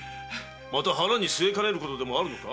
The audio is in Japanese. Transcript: また腹に据えかねることでもあるのか？